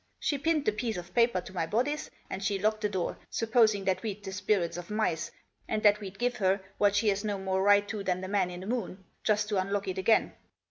She pinned the piece of paper to my bodice, and she locked the door, supposing that we'd the spirits of mice, and that we'd give her what she's no more right to than the man in the moon, just to unlock it again.